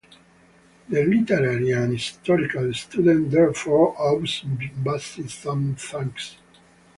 The literary and historical student, therefore, owes Bussy some thanks.